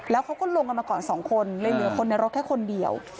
แล้วเขาก็ลงกันมาก่อน๒คนเลยเหลือคนในรถแค่คนเดียว